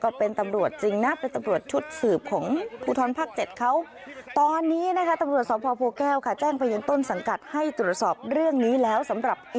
ก็เป็นตำรวจจริงนะเป็นตำรวจชุดสืบของพูท้อนภาคเจ็ดเขา